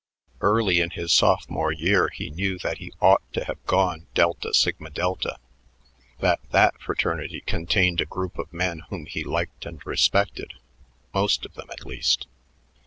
Early in his sophomore year he knew that he ought to have "gone" Delta Sigma Delta, that that fraternity contained a group of men whom he liked and respected, most of them, at least.